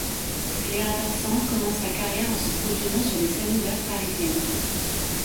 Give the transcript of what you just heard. Cléa Vincent commence sa carrière en se produisant sur les scènes ouvertes parisiennes.